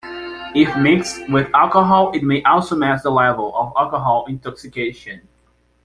If mixed with alcohol it may also mask the level of alcohol intoxication.